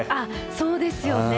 そうですよね。